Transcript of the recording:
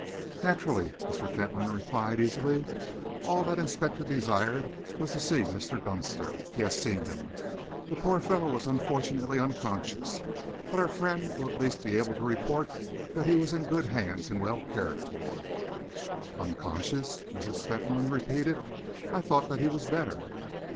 "Naturally," Mr. Fentolin replied easily. "All that the inspector desired was to see Mr. Dunster. He has seen him. The poor fellow was unfortunately unconscious, but our friend will at least be able to report that he was in good hands and well cared for." "Unconscious," Mrs. Fentolin repeated. "I thought that he was better."